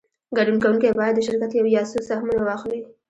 ګډون کوونکی باید د شرکت یو یا څو سهمونه واخلي